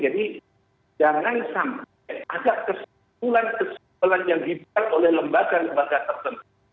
jangan sampai ada kesimpulan kesimpulan yang dibuat oleh lembaga lembaga tertentu